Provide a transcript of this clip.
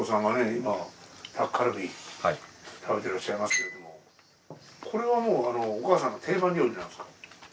今タッカルビ食べていらっしゃいますけどこれはもうお母さんの定番料理なんですか？